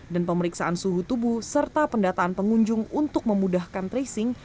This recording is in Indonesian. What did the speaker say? dan pemeriksaan suhu tubuh serta pendataan pengunjung untuk memudahkan tracing